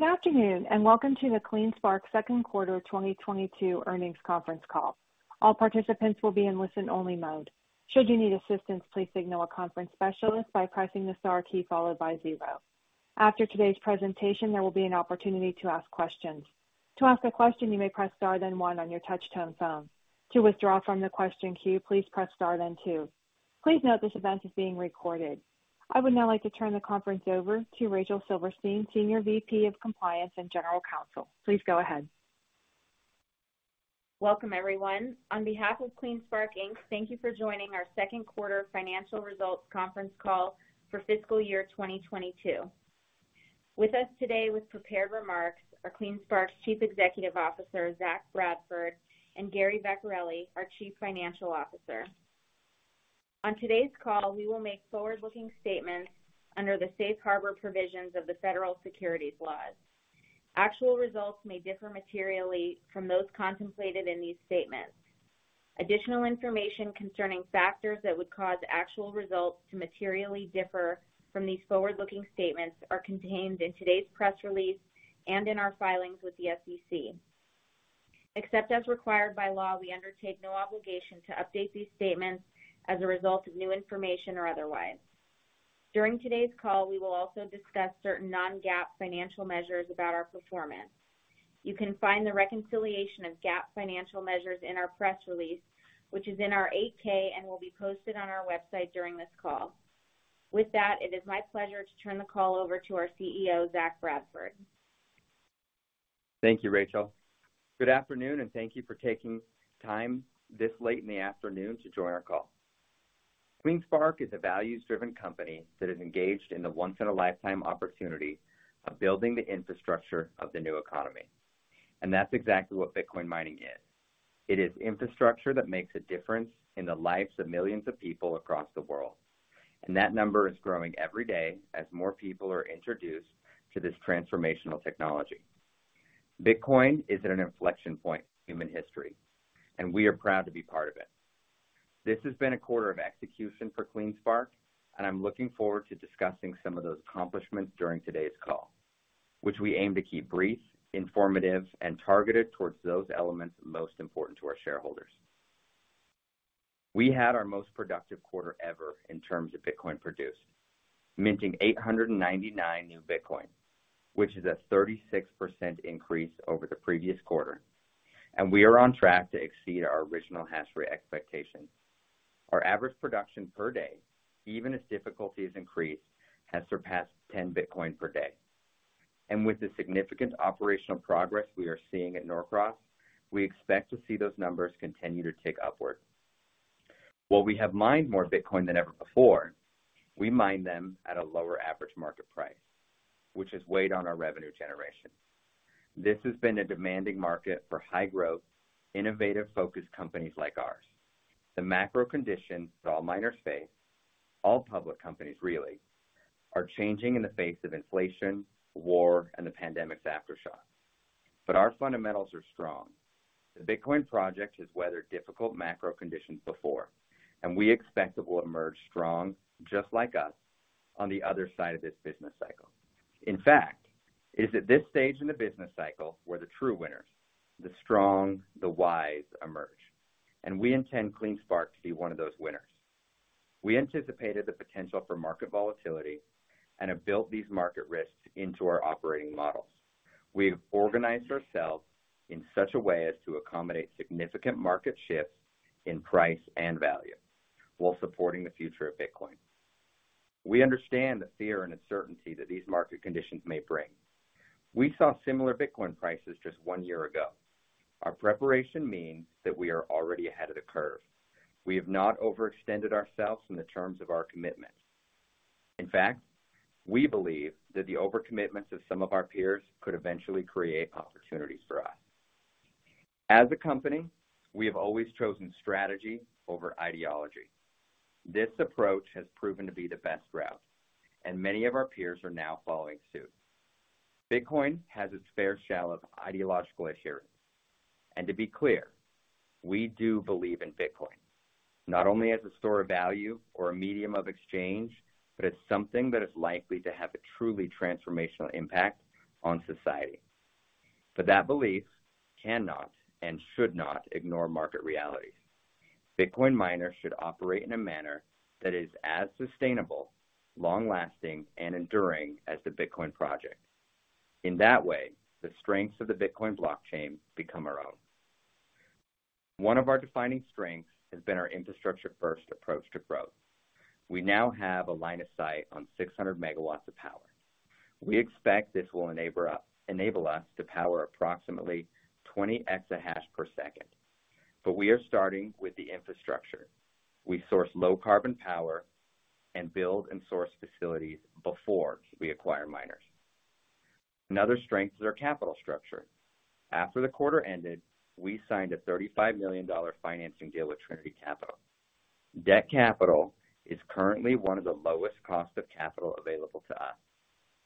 Good afternoon, and welcome to the CleanSpark second quarter 2022 earnings conference call. All participants will be in listen-only mode. Should you need assistance, please signal a conference specialist by pressing the star key followed by zero. After today's presentation, there will be an opportunity to ask questions. To ask a question, you may press star then one on your touchtone phone. To withdraw from the question queue, please press star then two. Please note this event is being recorded. I would now like to turn the conference over to Rachel Silverstein, Senior VP of Compliance and General Counsel. Please go ahead. Welcome, everyone. On behalf of CleanSpark, Inc., thank you for joining our second quarter financial results conference call for fiscal year 2022. With us today with prepared remarks are CleanSpark's Chief Executive Officer, Zach Bradford, and Gary Vecchiarelli, our Chief Financial Officer. On today's call, we will make forward-looking statements under the safe harbor provisions of the federal securities laws. Actual results may differ materially from those contemplated in these statements. Additional information concerning factors that would cause actual results to materially differ from these forward-looking statements are contained in today's press release and in our filings with the SEC. Except as required by law, we undertake no obligation to update these statements as a result of new information or otherwise. During today's call, we will also discuss certain non-GAAP financial measures about our performance. You can find the reconciliation of GAAP financial measures in our press release, which is in our 8-K and will be posted on our website during this call. With that, it is my pleasure to turn the call over to our CEO, Zach Bradford. Thank you, Rachel. Good afternoon, and thank you for taking time this late in the afternoon to join our call. CleanSpark is a values-driven company that is engaged in the once-in-a-lifetime opportunity of building the infrastructure of the new economy, and that's exactly what Bitcoin mining is. It is infrastructure that makes a difference in the lives of millions of people across the world, and that number is growing every day as more people are introduced to this transformational technology. Bitcoin is at an inflection point in human history, and we are proud to be part of it. This has been a quarter of execution for CleanSpark, and I'm looking forward to discussing some of those accomplishments during today's call, which we aim to keep brief, informative, and targeted towards those elements most important to our shareholders. We had our most productive quarter ever in terms of Bitcoin produced, minting 899 new Bitcoin, which is a 36% increase over the previous quarter, and we are on track to exceed our original hash rate expectations. Our average production per day, even as difficulties increase, has surpassed 10 Bitcoin per day. With the significant operational progress we are seeing at Norcross, we expect to see those numbers continue to tick upward. While we have mined more Bitcoin than ever before, we mined them at a lower average market price, which has weighed on our revenue generation. This has been a demanding market for high-growth, innovative-focused companies like ours. The macro conditions that all miners face, all public companies really, are changing in the face of inflation, war, and the pandemic's aftershock. Our fundamentals are strong. The Bitcoin project has weathered difficult macro conditions before, and we expect it will emerge strong, just like us, on the other side of this business cycle. In fact, it is at this stage in the business cycle where the true winners, the strong, the wise, emerge, and we intend CleanSpark to be one of those winners. We anticipated the potential for market volatility and have built these market risks into our operating models. We've organized ourselves in such a way as to accommodate significant market shifts in price and value while supporting the future of Bitcoin. We understand the fear and uncertainty that these market conditions may bring. We saw similar Bitcoin prices just one year ago. Our preparation means that we are already ahead of the curve. We have not overextended ourselves in terms of our commitment. In fact, we believe that the overcommitments of some of our peers could eventually create opportunities for us. As a company, we have always chosen strategy over ideology. This approach has proven to be the best route, and many of our peers are now following suit. Bitcoin has its fair share of ideological adherents, and to be clear, we do believe in Bitcoin, not only as a store of value or a medium of exchange, but as something that is likely to have a truly transformational impact on society. That belief cannot and should not ignore market realities. Bitcoin miners should operate in a manner that is as sustainable, long-lasting, and enduring as the Bitcoin project. In that way, the strengths of the Bitcoin blockchain become our own. One of our defining strengths has been our infrastructure-first approach to growth. We now have a line of sight on 600 MW of power. We expect this will enable us to power approximately 20 exahash per second. We are starting with the infrastructure. We source low-carbon power and build and source facilities before we acquire miners. Another strength is our capital structure. After the quarter ended, we signed a $35 million financing deal with Trinity Capital. Debt capital is currently one of the lowest cost of capital available to us,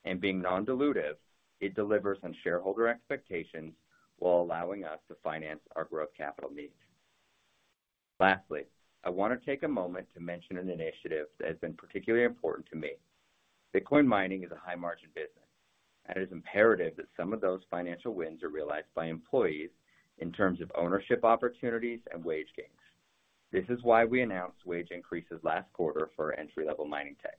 and being non-dilutive, it delivers on shareholder expectations while allowing us to finance our growth capital needs. Lastly, I want to take a moment to mention an initiative that has been particularly important to me. Bitcoin mining is a high-margin business, and it is imperative that some of those financial wins are realized by employees in terms of ownership opportunities and wage gains. This is why we announced wage increases last quarter for our entry-level mining techs.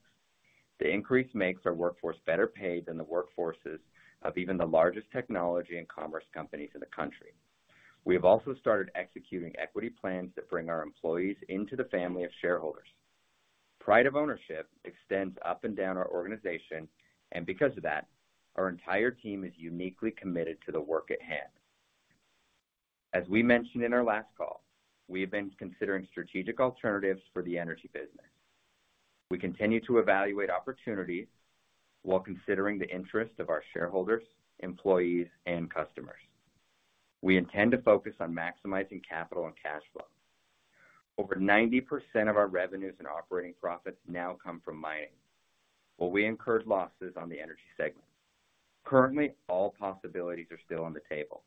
The increase makes our workforce better paid than the workforces of even the largest technology and commerce companies in the country. We have also started executing equity plans that bring our employees into the family of shareholders. Pride of ownership extends up and down our organization, and because of that, our entire team is uniquely committed to the work at hand. As we mentioned in our last call, we have been considering strategic alternatives for the energy business. We continue to evaluate opportunities while considering the interests of our shareholders, employees, and customers. We intend to focus on maximizing capital and cash flow. Over 90% of our revenues and operating profits now come from mining, while we incurred losses on the energy segment. Currently, all possibilities are still on the table,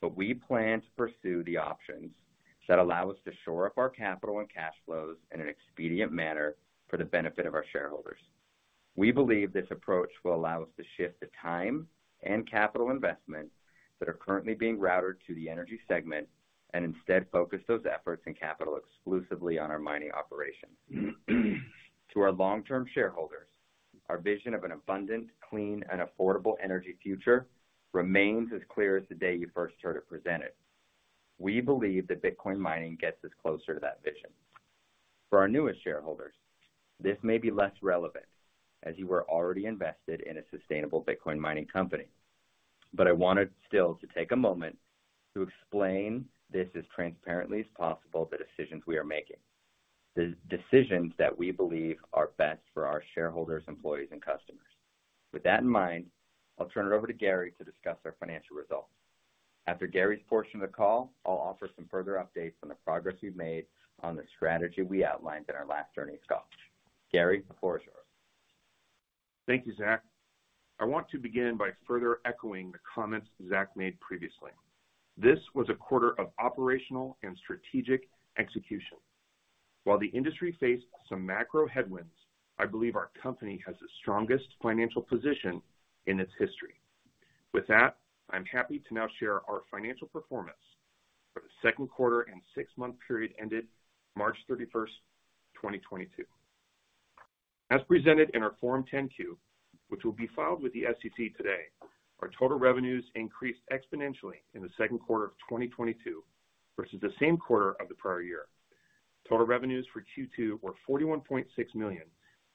but we plan to pursue the options that allow us to shore up our capital and cash flows in an expedient manner for the benefit of our shareholders. We believe this approach will allow us to shift the time and capital investment that are currently being routed to the energy segment and instead focus those efforts and capital exclusively on our mining operations. To our long-term shareholders, our vision of an abundant, clean, and affordable energy future remains as clear as the day you first heard it presented. We believe that Bitcoin mining gets us closer to that vision. For our newest shareholders, this may be less relevant as you were already invested in a sustainable Bitcoin mining company. I wanted still to take a moment to explain this as transparently as possible, the decisions we are making, the decisions that we believe are best for our shareholders, employees, and customers. With that in mind, I'll turn it over to Gary to discuss our financial results. After Gary's portion of the call, I'll offer some further updates on the progress we've made on the strategy we outlined in our last earnings call. Gary, the floor is yours. Thank you, Zach. I want to begin by further echoing the comments Zach made previously. This was a quarter of operational and strategic execution. While the industry faced some macro headwinds, I believe our company has the strongest financial position in its history. With that, I'm happy to now share our financial performance for the second quarter and six-month period ended March 31st, 2022. As presented in our Form 10-Q, which will be filed with the SEC today, our total revenues increased exponentially in the second quarter of 2022 versus the same quarter of the prior year. Total revenues for Q2 were $41.6 million,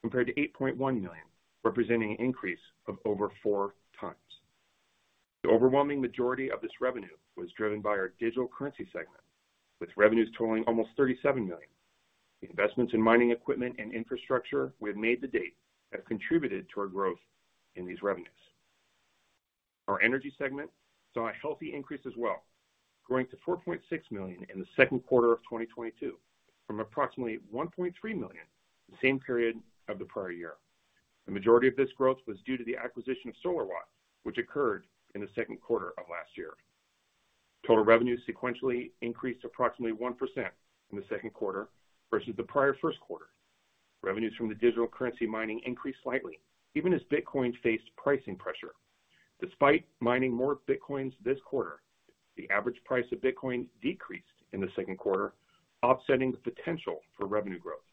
compared to $8.1 million, representing an increase of over four times. The overwhelming majority of this revenue was driven by our digital currency segment, with revenues totaling almost $37 million. The investments in mining equipment and infrastructure we have made to date have contributed to our growth in these revenues. Our energy segment saw a healthy increase as well, growing to $4.6 million in the second quarter of 2022 from approximately $1.3 million the same period of the prior year. The majority of this growth was due to the acquisition of Solar Watt Solutions, which occurred in the second quarter of last year. Total revenues sequentially increased approximately 1% in the second quarter versus the prior first quarter. Revenues from the digital currency mining increased slightly, even as Bitcoin faced pricing pressure. Despite mining more Bitcoins this quarter, the average price of Bitcoin decreased in the second quarter, offsetting the potential for revenue growth.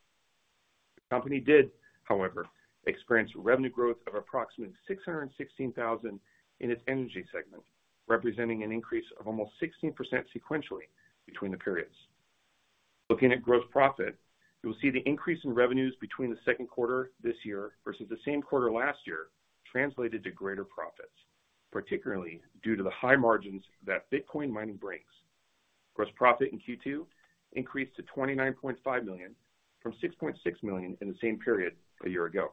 The company did, however, experience revenue growth of approximately $616,000 in its energy segment, representing an increase of almost 16% sequentially between the periods. Looking at gross profit, you will see the increase in revenues between the second quarter this year versus the same quarter last year translated to greater profits, particularly due to the high margins that Bitcoin mining brings. Gross profit in Q2 increased to $29.5 million, from $6.6 million in the same period a year ago.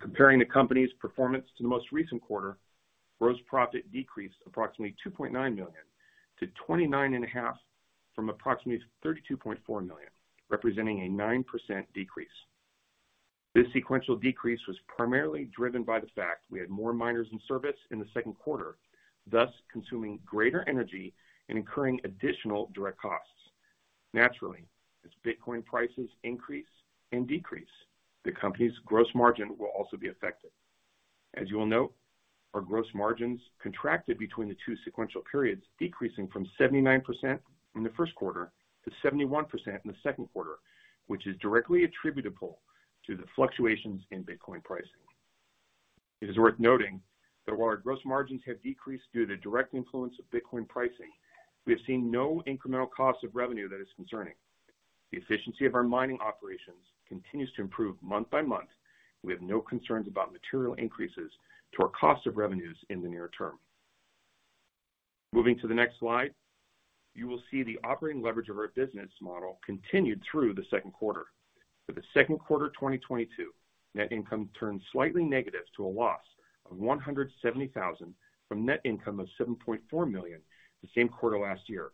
When comparing the company's performance to the most recent quarter, gross profit decreased approximately $2.9 million-$29.5 million from approximately $32.4 million, representing a 9% decrease. This sequential decrease was primarily driven by the fact we had more miners in service in the second quarter, thus consuming greater energy and incurring additional direct costs. Naturally, as Bitcoin prices increase and decrease, the company's gross margin will also be affected. As you will note, our gross margins contracted between the two sequential periods, decreasing from 79% in the first quarter to 71% in the second quarter, which is directly attributable to the fluctuations in Bitcoin pricing. It is worth noting that while our gross margins have decreased due to direct influence of Bitcoin pricing, we have seen no incremental cost of revenue that is concerning. The efficiency of our mining operations continues to improve month by month, and we have no concerns about material increases to our cost of revenues in the near term. Moving to the next slide, you will see the operating leverage of our business model continued through the second quarter. For the second quarter 2022, net income turned slightly negative to a loss of $170,000 from net income of $7.4 million the same quarter last year.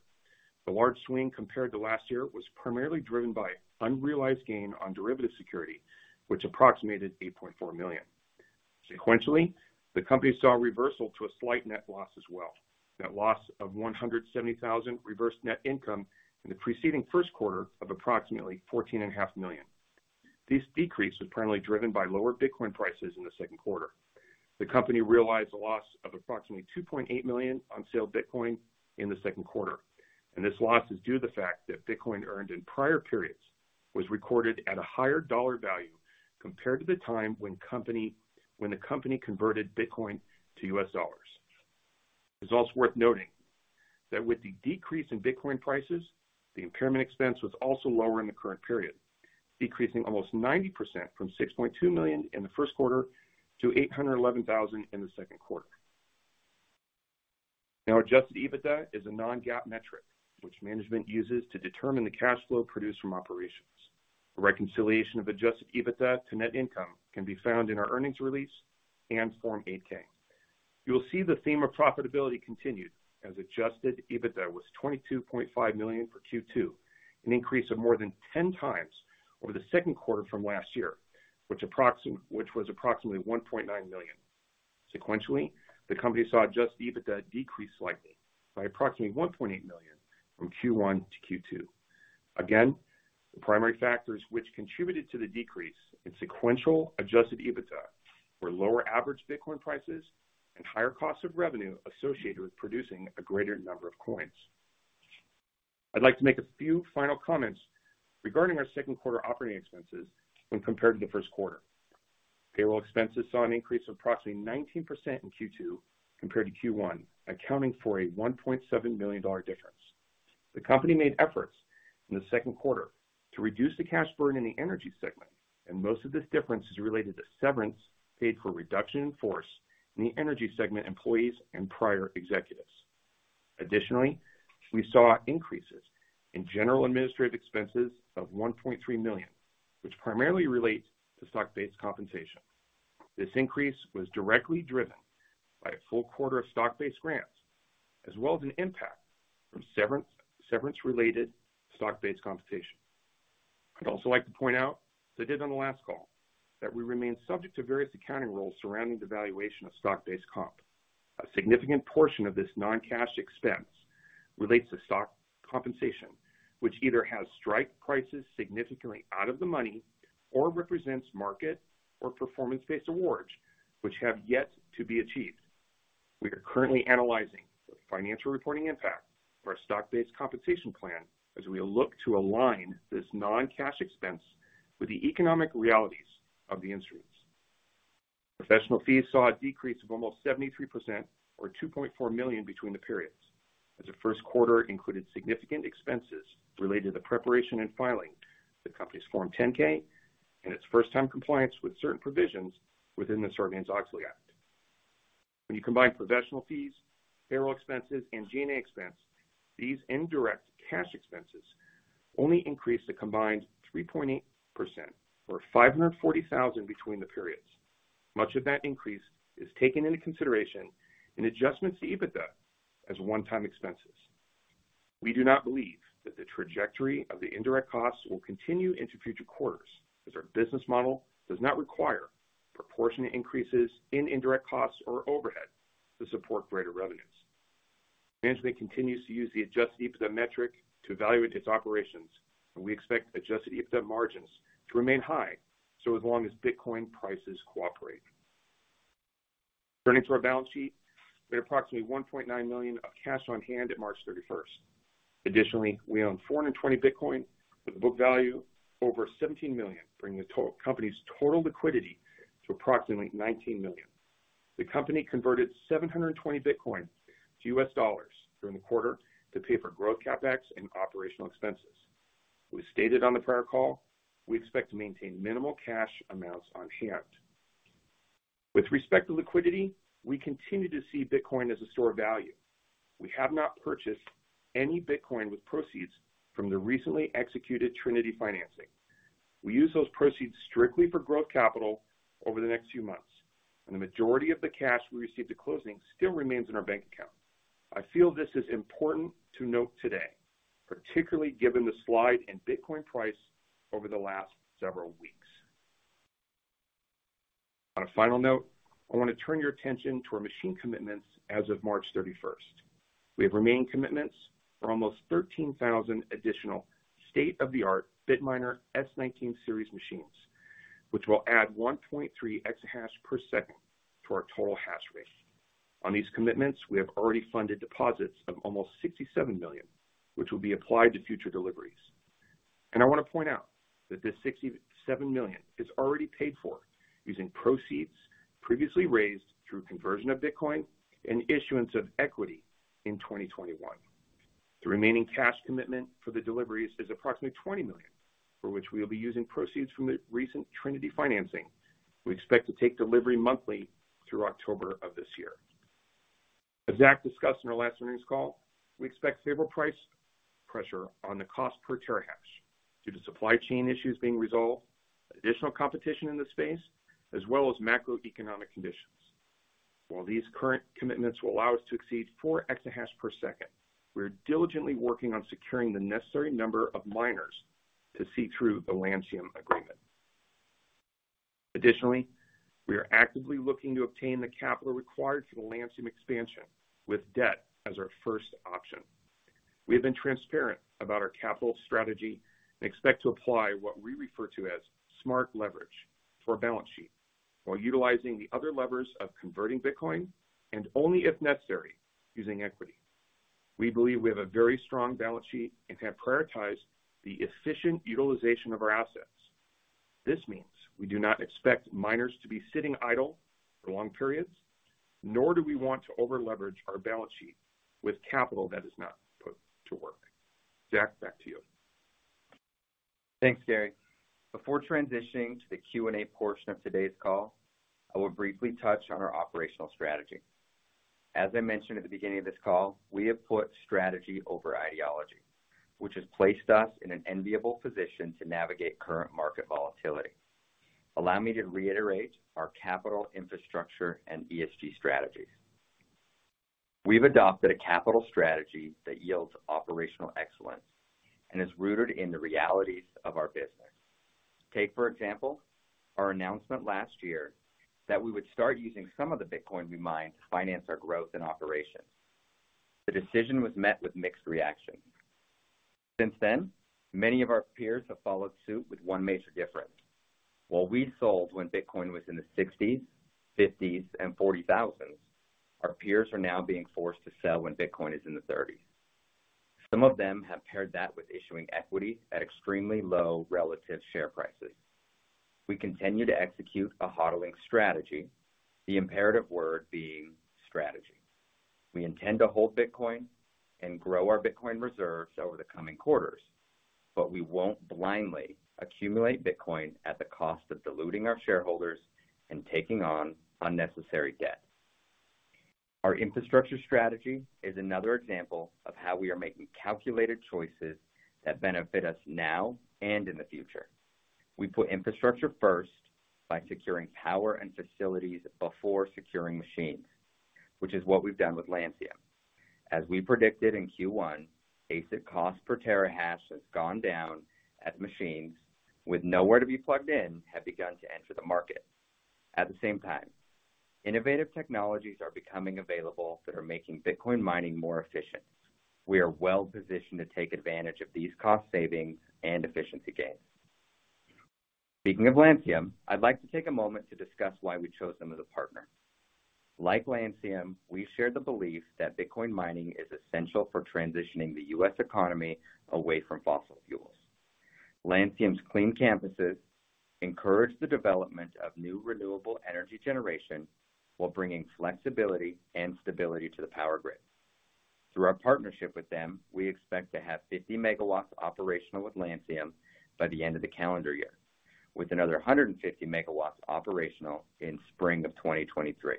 The large swing compared to last year was primarily driven by unrealized gain on derivative security, which approximated $8.4 million. Sequentially, the company saw a reversal to a slight net loss as well. Net loss of $170,000 reversed net income in the preceding first quarter of approximately $14.5 million. This decrease was primarily driven by lower Bitcoin prices in the second quarter. The company realized a loss of approximately $2.8 million on sale of Bitcoin in the second quarter, and this loss is due to the fact that Bitcoin earned in prior periods was recorded at a higher dollar value compared to the time when the company converted Bitcoin to U.S. Dollars. It's also worth noting that with the decrease in Bitcoin prices, the impairment expense was also lower in the current period, decreasing almost 90% from $6.2 million in the first quarter to $811,000 in the second quarter. Now our adjusted EBITDA is a non-GAAP metric which management uses to determine the cash flow produced from operations. A reconciliation of adjusted EBITDA to net income can be found in our earnings release and Form 8-K. You will see the theme of profitability continued as adjusted EBITDA was $22.5 million for Q2, an increase of more than 10 times over the second quarter from last year, which was approximately $1.9 million. Sequentially, the company saw adjusted EBITDA decrease slightly by approximately $1.8 million from Q1 to Q2. Again, the primary factors which contributed to the decrease in sequential adjusted EBITDA were lower average Bitcoin prices and higher cost of revenue associated with producing a greater number of coins. I'd like to make a few final comments regarding our second quarter operating expenses when compared to the first quarter. Payroll expenses saw an increase of approximately 19% in Q2 compared to Q1, accounting for a $1.7 million difference. The company made efforts in the second quarter to reduce the cash burn in the energy segment, and most of this difference is related to severance paid for reduction in force in the energy segment employees and prior executives. Additionally, we saw increases in general and administrative expenses of $1.3 million, which primarily relates to stock-based compensation. This increase was directly driven by a full quarter of stock-based grants, as well as an impact from severance-related stock-based compensation. I'd also like to point out, as I did on the last call, that we remain subject to various accounting rules surrounding the valuation of stock-based comp. A significant portion of this non-cash expense relates to stock compensation, which either has strike prices significantly out of the money or represents market or performance-based awards which have yet to be achieved. We are currently analyzing the financial reporting impact for our stock-based compensation plan as we look to align this non-cash expense with the economic realities of the instruments. Professional fees saw a decrease of almost 73% or $2.4 million between the periods, as the first quarter included significant expenses related to the preparation and filing of the company's Form 10-K and its first time compliance with certain provisions within the Sarbanes-Oxley Act. When you combine professional fees, payroll expenses, and G&A expense, these indirect cash expenses only increased a combined 3.8% or $540,000 between the periods. Much of that increase is taken into consideration in adjustments to EBITDA as one-time expenses. We do not believe that the trajectory of the indirect costs will continue into future quarters, as our business model does not require proportionate increases in indirect costs or overhead to support greater revenues. Management continues to use the adjusted EBITDA metric to evaluate its operations, and we expect adjusted EBITDA margins to remain high so as long as Bitcoin prices cooperate. Turning to our balance sheet. We had approximately $1.9 million of cash on hand at March 31st. Additionally, we own 420 Bitcoin with a book value over $17 million, bringing the total company's total liquidity to approximately $19 million. The company converted 720 Bitcoin to U.S. dollars during the quarter to pay for growth CapEx and operational expenses. We stated on the prior call. We expect to maintain minimal cash amounts on hand. With respect to liquidity, we continue to see Bitcoin as a store of value. We have not purchased any Bitcoin with proceeds from the recently executed Trinity financing. We use those proceeds strictly for growth capital over the next few months, and the majority of the cash we received at closing still remains in our bank account. I feel this is important to note today, particularly given the slide in Bitcoin price over the last several weeks. On a final note, I wanna turn your attention to our machine commitments as of March 31st. We have remained commitments for almost 13,000 additional state-of-the-art Bitmain Antminer S19 series machines, which will add 1.3 exahash per second to our total hash rate. On these commitments, we have already funded deposits of almost $67 million, which will be applied to future deliveries. I wanna point out that this $67 million is already paid for using proceeds previously raised through conversion of Bitcoin and issuance of equity in 2021. The remaining cash commitment for the deliveries is approximately $20 million, for which we'll be using proceeds from the recent Trinity financing. We expect to take delivery monthly through October of this year. As Zach discussed on our last earnings call, we expect favorable price pressure on the cost per terahash due to supply chain issues being resolved, additional competition in the space, as well as macroeconomic conditions. While these current commitments will allow us to exceed four exahash per second, we are diligently working on securing the necessary number of miners to see through the Lancium agreement. Additionally, we are actively looking to obtain the capital required for the Lancium expansion with debt as our first option. We have been transparent about our capital strategy and expect to apply what we refer to as smart leverage to our balance sheet while utilizing the other levers of converting Bitcoin and only if necessary, using equity. We believe we have a very strong balance sheet and have prioritized the efficient utilization of our assets. This means we do not expect miners to be sitting idle for long periods, nor do we want to over-leverage our balance sheet with capital that is not put to work. Zach, back to you. Thanks, Gary. Before transitioning to the Q&A portion of today's call, I will briefly touch on our operational strategy. As I mentioned at the beginning of this call, we have put strategy over ideology, which has placed us in an enviable position to navigate current market volatility. Allow me to reiterate our capital infrastructure and ESG strategies. We've adopted a capital strategy that yields operational excellence and is rooted in the realities of our business. Take, for example, our announcement last year that we would start using some of the Bitcoin we mine to finance our growth and operations. The decision was met with mixed reaction. Since then, many of our peers have followed suit with one major difference. While we sold when Bitcoin was in the $60,000, $50,000, and $40,000, our peers are now being forced to sell when Bitcoin is in the $30,000. Some of them have paired that with issuing equity at extremely low relative share prices. We continue to execute a HODLing strategy, the imperative word being strategy. We intend to hold Bitcoin and grow our Bitcoin reserves over the coming quarters, but we won't blindly accumulate Bitcoin at the cost of diluting our shareholders and taking on unnecessary debt. Our infrastructure strategy is another example of how we are making calculated choices that benefit us now and in the future. We put infrastructure first by securing power and facilities before securing machines, which is what we've done with Lancium. As we predicted in Q1, asset cost per terahash has gone down as machines with nowhere to be plugged in have begun to enter the market. At the same time, innovative technologies are becoming available that are making Bitcoin mining more efficient. We are well-positioned to take advantage of these cost savings and efficiency gains. Speaking of Lancium, I'd like to take a moment to discuss why we chose them as a partner. Like Lancium, we share the belief that Bitcoin mining is essential for transitioning the U.S. economy away from fossil fuels. Lancium's clean campuses encourage the development of new renewable energy generation while bringing flexibility and stability to the power grid. Through our partnership with them, we expect to have 50 MW operational with Lancium by the end of the calendar year, with another 150 MW operational in spring of 2023.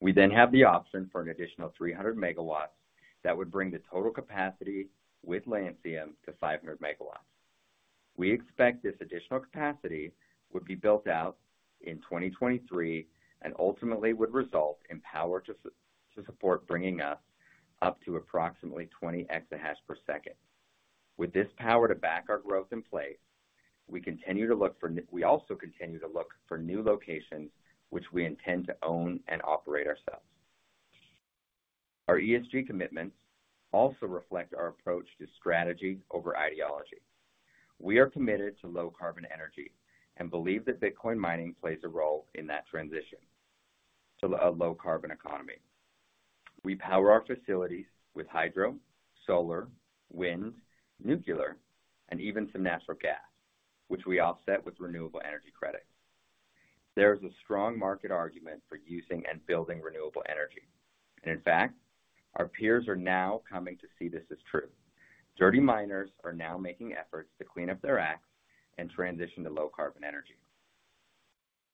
We then have the option for an additional 300 MW that would bring the total capacity with Lancium to 500 MW. We expect this additional capacity would be built out in 2023 and ultimately would result in power to support bringing us up to approximately 20 exahash per second. With this power to back our growth in place, we also continue to look for new locations which we intend to own and operate ourselves. Our ESG commitments also reflect our approach to strategy over ideology. We are committed to low carbon energy and believe that Bitcoin mining plays a role in that transition to a low carbon economy. We power our facilities with hydro, solar, wind, nuclear, and even some natural gas, which we offset with renewable energy credits. There is a strong market argument for using and building renewable energy. In fact, our peers are now coming to see this as true. Dirty miners are now making efforts to clean up their acts and transition to low carbon energy.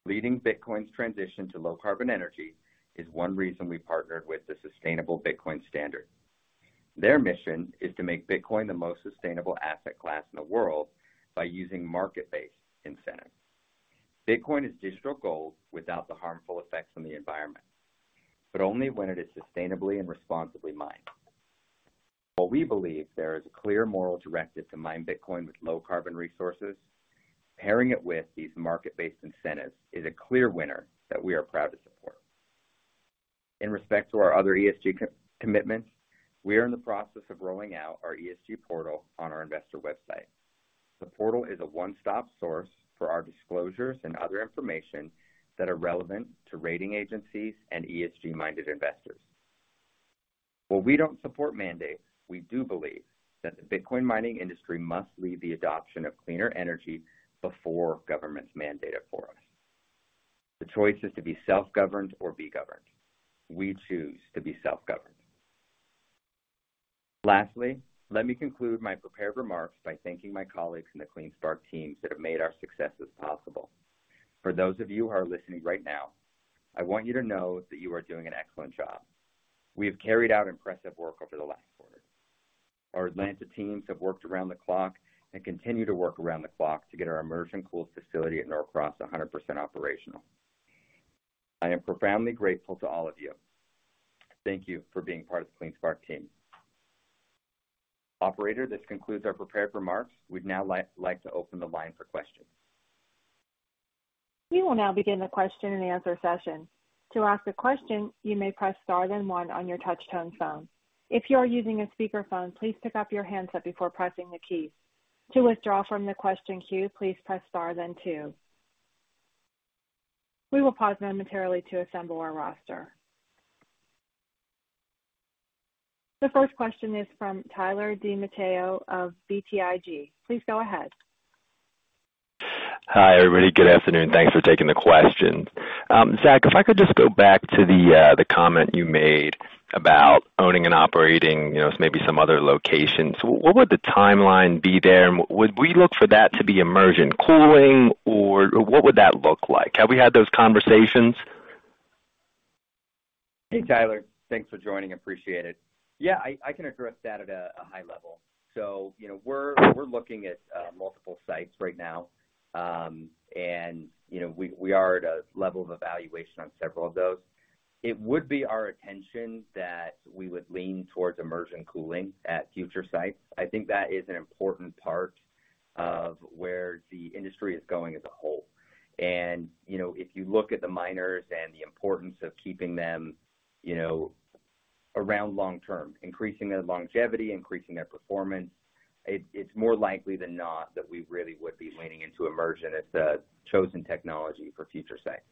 Leading Bitcoin's transition to low carbon energy is one reason we partnered with the Sustainable Bitcoin Standard. Their mission is to make Bitcoin the most sustainable asset class in the world by using market-based incentives. Bitcoin is digital gold without the harmful effects on the environment, but only when it is sustainably and responsibly mined. While we believe there is a clear moral directive to mine Bitcoin with low carbon resources, pairing it with these market-based incentives is a clear winner that we are proud to support. In respect to our other ESG commitments, we are in the process of rolling out our ESG portal on our investor website. The portal is a one-stop source for our disclosures and other information that are relevant to rating agencies and ESG-minded investors. While we don't support mandates, we do believe that the Bitcoin mining industry must lead the adoption of cleaner energy before governments mandate it for us. The choice is to be self-governed or be governed. We choose to be self-governed. Lastly, let me conclude my prepared remarks by thanking my colleagues in the CleanSpark teams that have made our successes possible. For those of you who are listening right now, I want you to know that you are doing an excellent job. We have carried out impressive work over the last quarter. Our Atlanta teams have worked around the clock and continue to work around the clock to get our immersion cooling facility at Norcross 100% operational. I am profoundly grateful to all of you. Thank you for being part of the CleanSpark team. Operator, this concludes our prepared remarks. We'd now like to open the line for questions. We will now begin the question and answer session. To ask a question, you may press star then one on your touch-tone phone. If you are using a speakerphone, please pick up your handset before pressing the key. To withdraw from the question queue, please press star then two. We will pause momentarily to assemble our roster. The first question is from Tyler DiMatteo of BTIG. Please go ahead. Hi, everybody. Good afternoon. Thanks for taking the questions. Zach, if I could just go back to the comment you made about owning and operating, you know, maybe some other locations. What would the timeline be there? Would we look for that to be immersion cooling or what would that look like? Have we had those conversations? Hey, Tyler. Thanks for joining, appreciate it. Yeah, I can address that at a high level. You know, we're looking at multiple sites right now. You know, we are at a level of evaluation on several of those. It would be our intention that we would lean towards immersion cooling at future sites. I think that is an important part of where the industry is going as a whole. You know, if you look at the miners and the importance of keeping them around long term, increasing their longevity, increasing their performance, it's more likely than not that we really would be leaning into immersion as the chosen technology for future sites.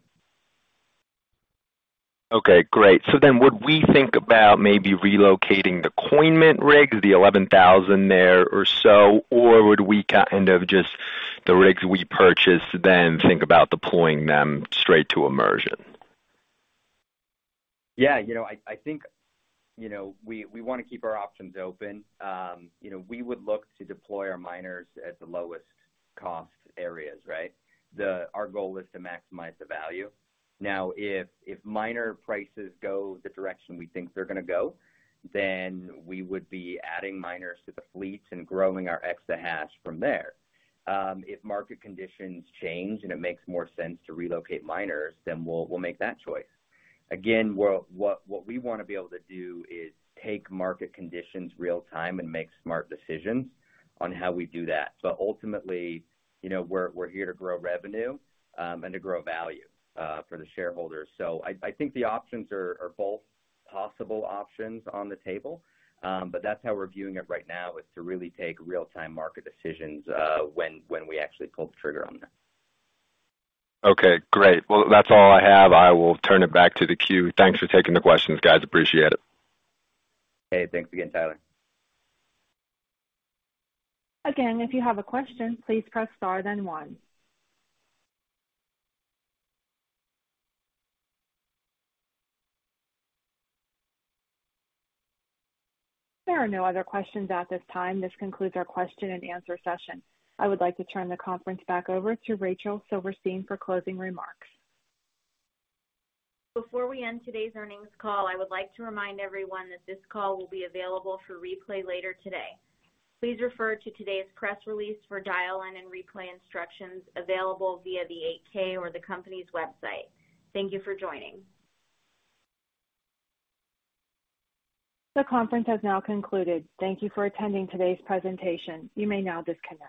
Okay, great. Would we think about maybe relocating the Coinmint rigs, the 11,000 there or so? Or would we kind of just the rigs we purchase, then think about deploying them straight to immersion? Yeah. You know, I think, you know, we wanna keep our options open. You know, we would look to deploy our miners at the lowest cost areas, right? Our goal is to maximize the value. Now, if miner prices go the direction we think they're gonna go, then we would be adding miners to the fleet and growing our exahash from there. If market conditions change and it makes more sense to relocate miners, then we'll make that choice. Again, what we wanna be able to do is take market conditions real time and make smart decisions on how we do that. Ultimately, you know, we're here to grow revenue, and to grow value, for the shareholders. I think the options are both possible options on the table. That's how we're viewing it right now, is to really take real-time market decisions, when we actually pull the trigger on that. Okay, great. Well, that's all I have. I will turn it back to the queue. Thanks for taking the questions, guys. Appreciate it. Hey, thanks again, Tyler. Again, if you have a question, please press star then one. There are no other questions at this time. This concludes our question-and-answer session. I would like to turn the conference back over to Rachel Silverstein for closing remarks. Before we end today's earnings call, I would like to remind everyone that this call will be available for replay later today. Please refer to today's press release for dial-in and replay instructions available via the 8-K or the company's website. Thank you for joining. The conference has now concluded. Thank you for attending today's presentation. You may now disconnect.